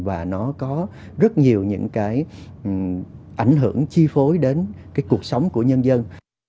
và nó có rất nhiều những cái ảnh hưởng chi phối đến cái cuộc sống của nhân dân